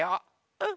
うん。